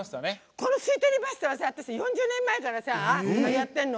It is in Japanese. この、すいとりパスタは４０年前からやってるの。